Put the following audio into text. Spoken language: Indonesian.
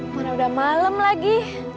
mana udah malem lagi